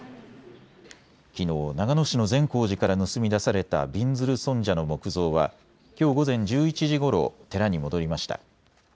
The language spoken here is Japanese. きのう長野市の善光寺から盗み出されたびんずる尊者の木像はきょう午前１１時ごろ、寺に戻りました。